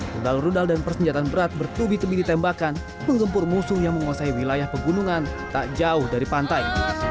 rudal rudal dan persenjataan berat bertubi tubi ditembakan menggempur musuh yang menguasai wilayah pegunungan tak jauh dari pantai